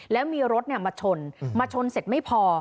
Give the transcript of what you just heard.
แล้วมีรถมาชนมาชนเสร็จไม่พอ